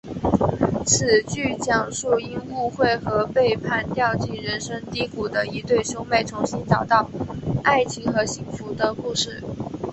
此剧讲述因误会和背叛掉进人生低谷的一对兄妹重新找到爱情和幸福的故事。